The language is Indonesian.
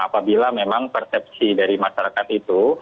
apabila memang persepsi dari masyarakat itu